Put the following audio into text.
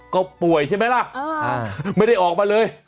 ก็ป่วยใช่ไหมล่ะไม่ได้ออกมาเลย